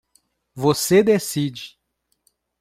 Você decide.